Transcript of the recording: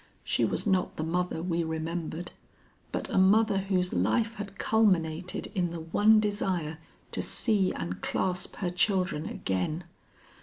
She was not the mother we remembered, but a mother whose life had culminated in the one desire to see and clasp her children again.